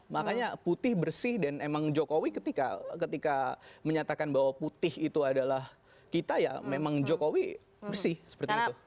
makanya putih bersih dan emang jokowi ketika menyatakan bahwa putih itu adalah kita ya memang jokowi bersih seperti itu